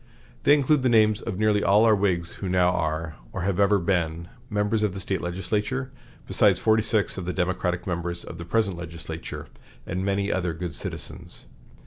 They include the names of nearly all our Whigs who now are, or have ever been, members of the State legislature, besides forty six of the Democratic members of the present legislature, and many other good citizens.